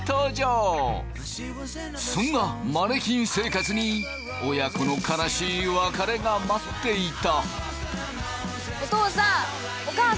そんなマネキン生活に親子の悲しい別れが待っていた！